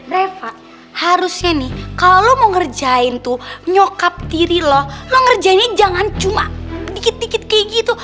reva harusnya nih kalo lo mau ngerjain tuh nyokap tiri lo lo ngerjainnya jangan cuma dikit dikit kayak gitu